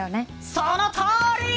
そのとおり！